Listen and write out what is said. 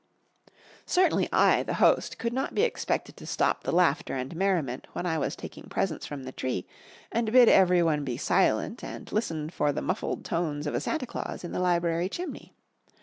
Certainly I, the host, could not be expected to stop the laughter and merriment when I was taking presents from the tree, and bid every one be silent and listen for the muffled tones of a Santa Claus in the library chimney.